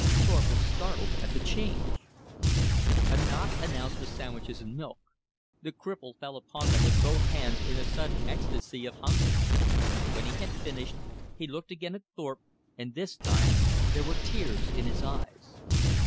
Thorpe was startled at the change. A knock announced the sandwiches and milk. The cripple fell upon them with both hands in a sudden ecstacy of hunger. When he had finished, he looked again at Thorpe, and this time there were tears in his eyes.